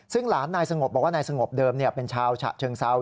ซึ่งหลานนายสงบบอกว่านายสงบเดิมเป็นชาวฉะเชิงเซา